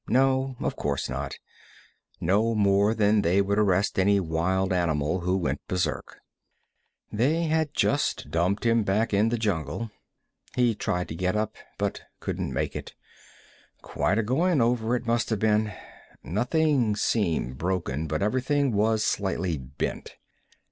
No, of course not; no more than they would arrest any wild animal who went berserk. They had just dumped him back in the jungle. He tried to get up, but couldn't make it. Quite a going over it must have been. Nothing seemed broken, but everything was slightly bent.